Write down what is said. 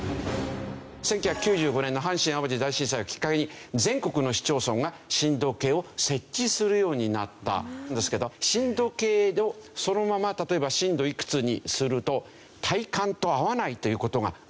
１９９５年の阪神・淡路大震災をきっかけに全国の市町村が震度計を設置するようになったんですけど震度計のそのまま例えば震度いくつにすると体感と合わないという事があったんですね。